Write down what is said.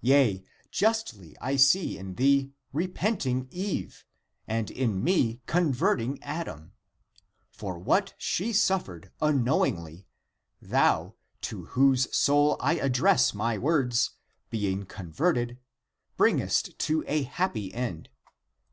Yea, justly I see in thee repenting Eve and in me con verting Adam. For what she suffered unknow ingly, thou, to whose soul I address my words, be ing converted, bringest to a happy end.